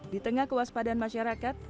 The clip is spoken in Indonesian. di tengah kewaspadaan masyarakat